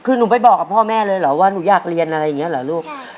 คือหนูไปบอกกับพ่อแม่เลยเหรอว่าหนูอยากเรียนอะไรอย่างนี้เหรอลูก